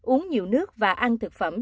uống nhiều nước và ăn thực phẩm